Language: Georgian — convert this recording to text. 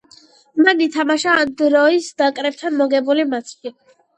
მან ითამაშა ანდორის ნაკრებთან მოგებულ მატჩში.